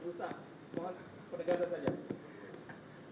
mohon penegasan saja